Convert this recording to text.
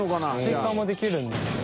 追加もできるんですね。